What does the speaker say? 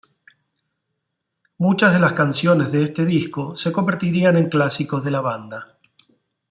Muchas de las canciones de este disco se convertirían en clásicos de la banda.